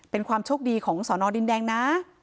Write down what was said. เป็นความโชคดีของสอนอดินแดงนะ